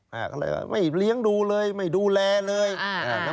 อ่าเขาเลยว่าไม่เลี้ยงดูเลยไม่ดูแลเลยอ่าอ่า